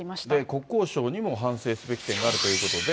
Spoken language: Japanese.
国交省にも反省すべき点があるということで。